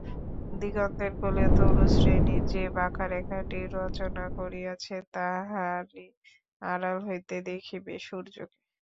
দিগন্তের কোলে তরুশ্রেণী যে বাঁকা রেখাঁটি রচনা করিয়াছে তাহারই আড়াল হইতে দেখিবে সূর্যকে।